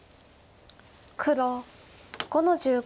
黒５の十五。